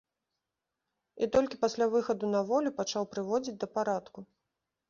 І толькі пасля выхаду на волю пачаў прыводзіць да парадку.